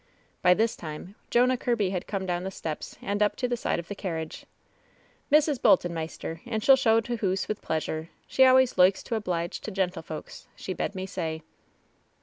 By this time Jonah Kirby had come down the steps and up to the side of the carriage. "Mrs. Bolton, maister, and she'll show t' hoose with pleasure. She always loikes to oblige t' gentlefolks, she bed me say."